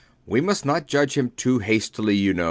We must not judge him too hastily, you know.